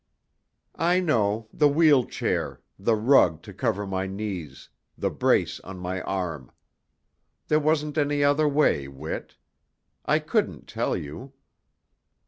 "I know, the wheel chair, the rug to cover my knees, the brace on my arm. There wasn't any other way, Whit. I couldn't tell you.